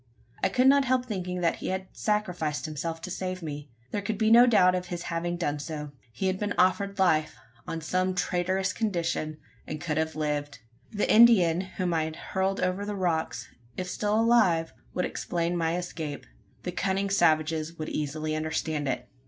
I could not help thinking that he had sacrificed himself to save me. There could be no doubt of his having done so. He had been offered life, on some traitorous condition, and could have lived. The Indian whom I had hurled over the rocks, if still alive, would explain my escape. The cunning savages would easily understand it.